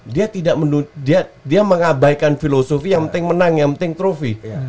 dia mengabaikan filosofi yang penting menang yang penting trufi